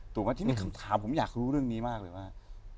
ถูกไหมที่มีคำถามผมอยากรู้เรื่องนี้มากเลยว่า